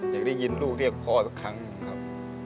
อยากได้ยินลูกเรียกพ่อสักครั้งหนึ่งครับ